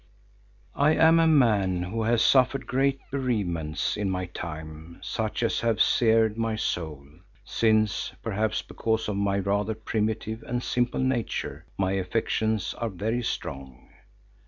I am a man who has suffered great bereavements in my time such as have seared my soul, since, perhaps because of my rather primitive and simple nature, my affections are very strong.